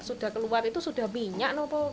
sudah keluar itu sudah minyak atau apa